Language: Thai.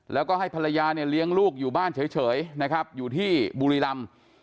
แล้วก็ให้ภรรยาเนี่ยเลี้ยงลูกอยู่บ้านเฉยนะครับอยู่ที่บุรีรำ